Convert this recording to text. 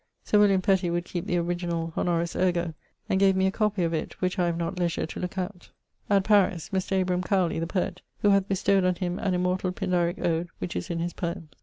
Sir William Petty would keepe the originall honoris ergo and gave me a copie of it, which I have not leisure to looke out. (At Paris.) Mr. Abraham Cowley, the poet, who hath bestowed on him an immortal pindarique ode, which is in his poems.